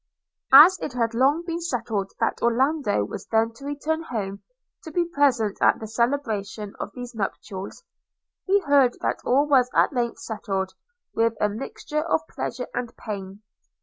As it had long been settled that Orlando was then to return home to be present at the celebration of these nuptials, he heard that all was at length settled, with a mixture of pleasure and pain.